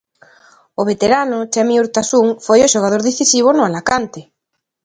O veterano Chemi Urtasun foi o xogador decisivo no Alacante.